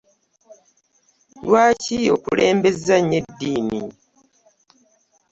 Lwaki okulembeza nnyo eddiini?